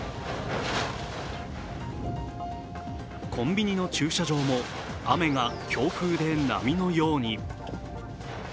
コンビニの駐車場も、雨が強風で波のように。